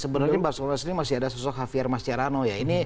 sebenarnya barcelona ini masih ada sosok javier mascherano